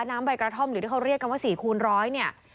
ใบกระท่อมหรือที่เขาเรียกกันว่า๔คูณร้อยเนี่ย